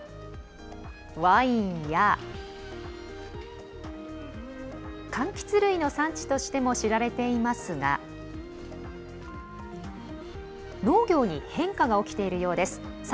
ワインやかんきつ類の産地としても知られていますが農業に変化が起きているようです。